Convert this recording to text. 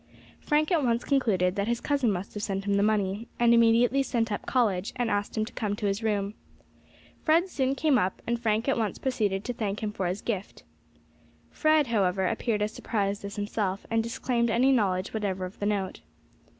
Frank at once concluded that his cousin must have sent him the money, and immediately sent up College and asked him to come to his room. Fred soon came up, and Frank at once proceeded to thank him for his gift. Fred, however, appeared as surprised as himself, and disclaimed any knowledge whatever of the note.